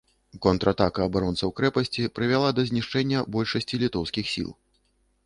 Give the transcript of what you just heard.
Контратака абаронцаў крэпасці прывяла да знішчэння большасці літоўскіх сіл.